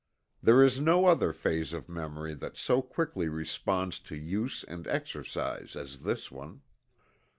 There is no other phase of memory that so quickly responds to use and exercise as this one.